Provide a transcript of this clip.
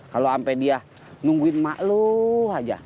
kalo ampe dia nungguin emak lo aja